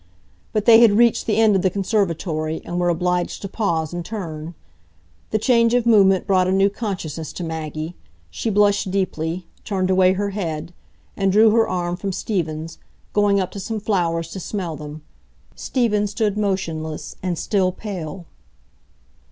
But they had reached the end of the conservatory, and were obliged to pause and turn. The change of movement brought a new consciousness to Maggie; she blushed deeply, turned away her head, and drew her arm from Stephen's, going up to some flowers to smell them. Stephen stood motionless, and still pale.